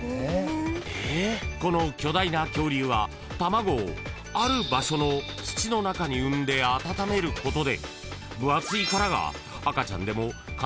［この巨大な恐竜は卵をある場所の土の中に産んで温めることで赤ちゃんでも］